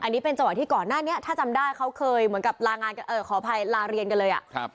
อันนี้เป็นจังหวะที่ก่อนหน้านี้ถ้าจำได้เขาเคยเหมือนกับลางานกันเออขออภัยลาเรียนกันเลยอ่ะครับ